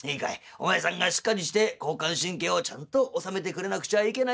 お前さんがしっかりして交感神経をちゃんと収めてくれなくちゃいけないよ」。